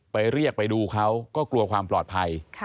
เรียกไปดูเขาก็กลัวความปลอดภัย